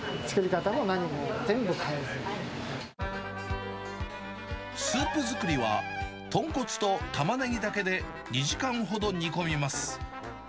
なので、スープ作りは、豚骨とタマネギだけで２時間ほど煮込みます。